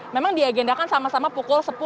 memang diagendakan sama sama pukul sepuluh